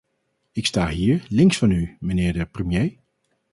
Ik sta hier, links van u, mijnheer de premier.